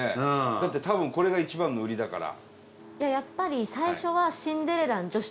だって、多分これが一番の売りだから。